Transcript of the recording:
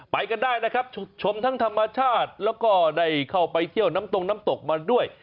ไปกันได้นะครับชมทั้งธรรมชาติแล้วก็ได้เข้าไปเที่ยวน้ำตรงน้ำตกมาด้วย